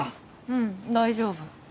うん大丈夫。